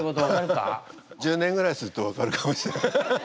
１０年ぐらいすると分かるかもしれない。